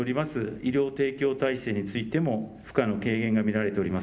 医療提供体制についても負荷の軽減が見られております。